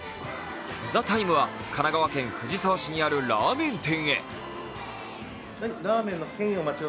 「ＴＨＥＴＩＭＥ，」は神奈川県藤沢市にあるラーメン店へ。